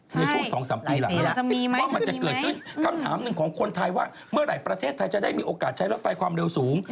ในช่วง๒๓ปีหลังนี้ว่ามันจะเกิดขึ้นคำถามหนึ่งของคนไทยว่าเมื่อไหร่ประเทศไทยจะได้มีโอกาสใช้รถไฟความเร็วสูง